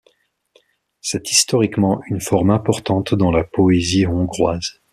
C'est historiquement une forme importante dans la poésie hongroise.